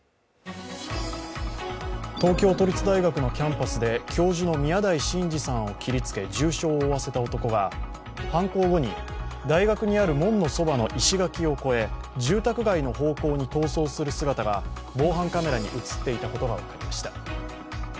東京都立大学のキャンパスで教授の宮台真司さんを切りつけ、重傷を負わせた男が、犯行後に大学にある門のそばの石垣を越え、住宅街の方向に逃走する姿が防犯カメラに映っていたことが分かりました。